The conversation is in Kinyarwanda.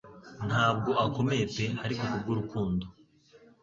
Ntabwo akomeye pe ariko kubwurukundo.